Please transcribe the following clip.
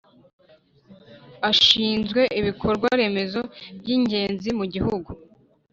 Ashinzwe ibikorwa remezo by’ingenzi mu gihugu